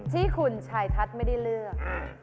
ที่คุณชายทัศน์ไม่ได้เลือก